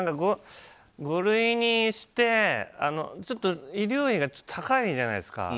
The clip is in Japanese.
五類にして、ちょっと医療費が高いじゃないですか。